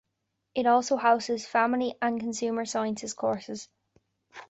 It also houses family and consumer sciences courses.